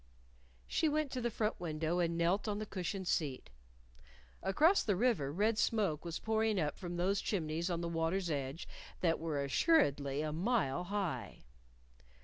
She went to the front window and knelt on the cushioned seat. Across the river red smoke was pouring up from those chimneys on the water's edge that were assuredly a mile high.